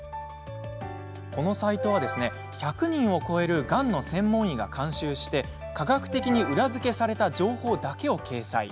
このサイトは、１００人を超えるがんの専門医が監修して科学的に裏付けられた情報だけを掲載。